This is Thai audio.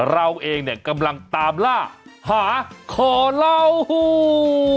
เราเองเนี่ยกำลังตามล่าหาขอเล่าหู